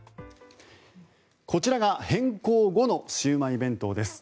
こちらが変更後のシウマイ弁当です。